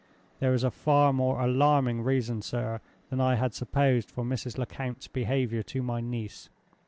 There is a far more alarming reason, sir, than I had supposed for Mrs. Lecount's behavior to my niece.